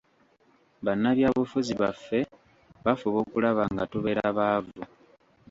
Bannabyabufuzi baffe bafuba okulaba nga tubeera baavu.